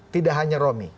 tidak hanya romy